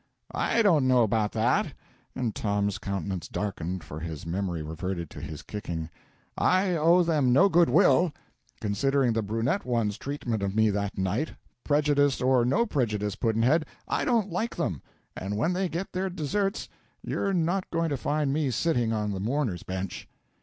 "I don't know about that," and Tom's countenance darkened, for his memory reverted to his kicking; "I owe them no good will, considering the brunette one's treatment of me that night. Prejudice or no prejudice, Pudd'nhead, I don't like them, and when they get their deserts you're not going to find me sitting on the mourner's bench."